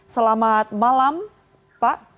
selamat malam pak